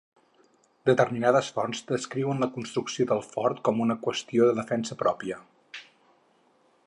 Determinades fonts descriuen la construcció del fort com una qüestió de defensa pròpia.